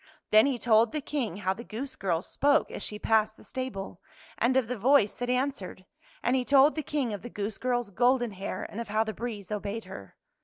Then he told the King how the goose girl spoke as she passed the stable, and of the voice that answered. And he told the King of the goose girl's golden hair, and of how the breeze obeyed her.